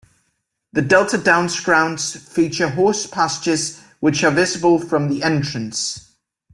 The Delta Downs grounds features horse pastures which are visible from the entrance.